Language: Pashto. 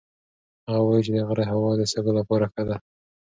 هغه وایي چې د غره هوا د سږو لپاره ښه ده.